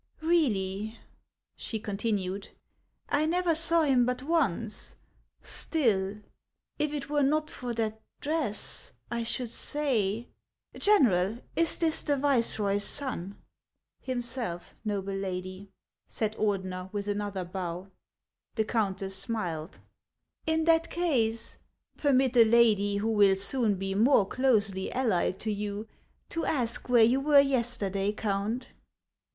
" Really," she continued, " I never saw him but once ; still, if it were not for that dress, 1 should say— General, is this the viceroy's son 1 "" Himself, noble lady," said Ordener, with another bow. The countess smiled. " In that case, permit a lady who will soon be more closely allied to you, to ask where you were yesterday, Count